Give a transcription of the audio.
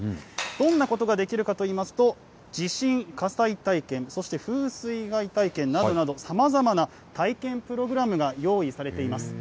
どんなことができるかといいますと、地震・火災体験、そして風水害体験などなど、さまざまな体験プログラムが用意されています。